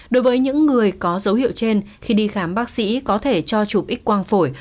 đối với những người có dấu hiệu trên khi đi khám bác sĩ có thể cho chụp x quang phổi